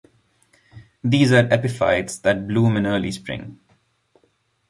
These are epiphytes that bloom in early spring.